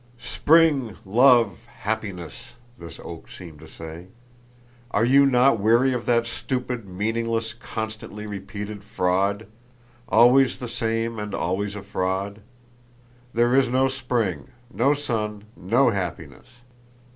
"Spring, love, happiness!" this oak seemed to say. "Are you not weary of that stupid, meaningless, constantly repeated fraud? Always the same and always a fraud? There is no spring, no sun, no happiness!